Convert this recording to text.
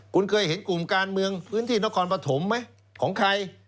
คุณเคยเห็นกลุ่มการเมืองพื้นที่นครปฐมไหมของใคร